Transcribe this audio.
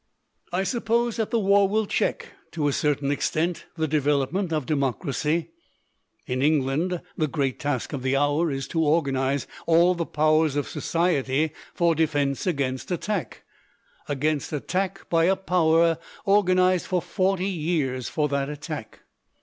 "I suppose that the war will check, to a cer tain extent, the development of democracy. In England the great task of the hour is to organize all the powers of society for defense against attack, against attack by a power organized for forty years for that attack.